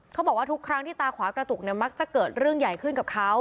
เขาบอกว่าทุกครั้งที่ตาขวากระตุกเนี่ยมักจะเกิดเรื่องใหญ่ขึ้นกับเขา